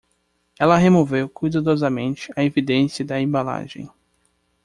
Ela removeu cuidadosamente a evidência da embalagem.